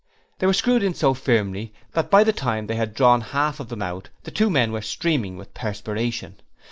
They were screwed in so firmly that by the time they had drawn half of them out the two men were streaming with perspiration.